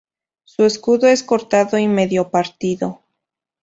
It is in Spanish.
Su escudo es cortado y medio partido.